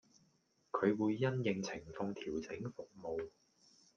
佢會因應情況調整服務